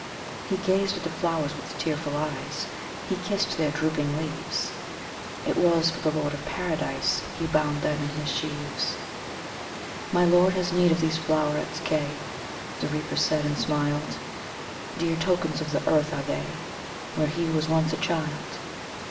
'' He gazed at the flowers with tearful eyes, He kissed their drooping leaves; It was for the Lord of Paradise He bound them in his sheaves. ``My Lord has need of these flowerets gay,'' The Reaper said, and smiled; ``Dear tokens of the earth are they, Where he was once a child.